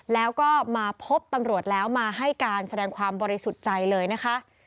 แล้วก็มาพบตำรวจแล้วมาให้การแสดงความบริสุทธิ์ใจเลยนะคะ